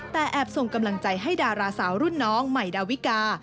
แต่แอบส่งกำลังใจให้ดาราสาวรุ่นน้องใหม่ดาวิกา